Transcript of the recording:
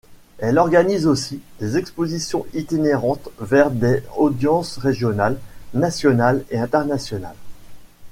Elle organise aussi des expositions itinérantes vers des audiences regionales, nationales et internationales.